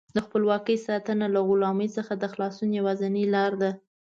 د خپلواکۍ ساتنه له غلامۍ څخه د خلاصون یوازینۍ لاره ده.